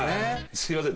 すいません